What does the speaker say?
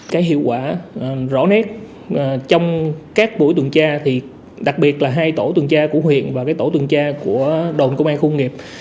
cái hiệu quả rõ nét trong các buổi tuần tra đặc biệt là hai tổ tuần tra của huyện và tổ tuần tra của đồng công an khuôn nghiệp